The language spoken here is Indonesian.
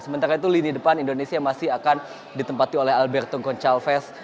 sementara itu lini depan indonesia masih akan ditempati oleh alberton goncalves